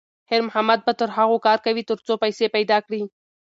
خیر محمد به تر هغو کار کوي تر څو پیسې پیدا کړي.